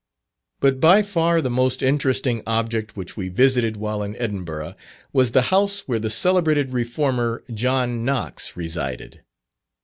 But by far the most interesting object which we visited while in Edinburgh, was the house where the celebrated Reformer, John Knox, re resided.